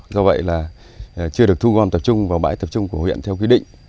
do vậy là chưa được thu gom tập trung vào bãi tập trung của huyện theo quy định